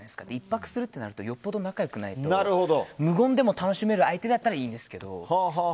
１泊するとなるとよほど仲良くないと無言でも楽しめる相手だったらいいんですけど。